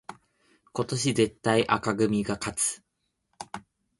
今年絶対紅組が勝つ